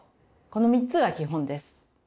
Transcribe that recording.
この３つが基本です。